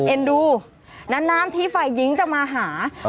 เอ็นดูนานทีฝ่ายหญิงจะมาหา